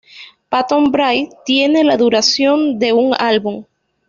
Phantom Bride tiene la duración de un álbum.